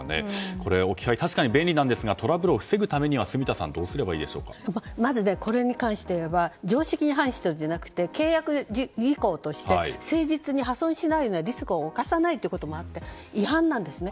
これ、置き配確かに便利なんですがトラブルを防ぐためには住田さんこれに関していえば常識に反しているんじゃなくて契約事項として誠実に破損しないようなリスクを冒さないということもあって違反なんですね。